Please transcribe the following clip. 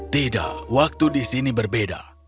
tidak waktu di sini berbeda